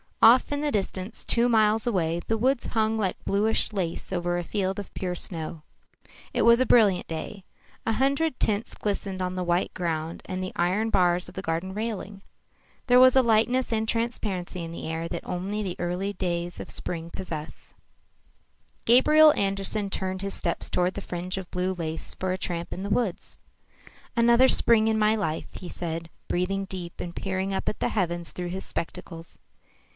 Off in the distance, two miles away, the woods hung like bluish lace over a field of pure snow. It was a brilliant day. A hundred tints glistened on the white ground and the iron bars of the garden railing. There was a lightness and transparency in the air that only the days of early spring possess. Gabriel Andersen turned his steps toward the fringe of blue lace for a tramp in the woods. "Another spring in my life," he said, breathing deep and peering up at the heavens through his spectacles.